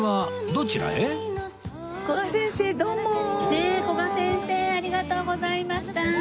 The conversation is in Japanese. ねえ古賀先生ありがとうございました。